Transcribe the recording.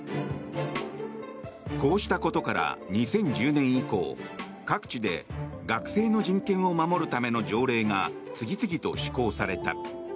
こうしたことから２０１０年以降各地で学生の人権を守るための条例が次々と施行された。